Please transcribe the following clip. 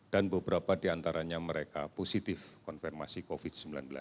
dan beberapa diantaranya mereka positif konfirmasi covid sembilan belas